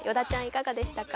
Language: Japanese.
いかがでしたか？